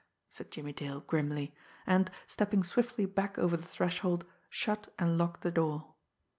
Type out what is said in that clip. said Jimmie Dale grimly, and, stepping swiftly back over the threshold, shut and locked the door.